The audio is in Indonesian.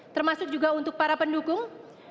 termasuk juga untuk para pendukung